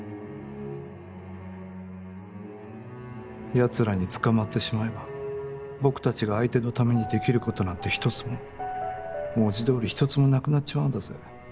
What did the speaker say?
やつらに捕まってしまえば僕たちが相手のためにできることなんて一つも文字どおり一つもなくなっちまうんだぜ？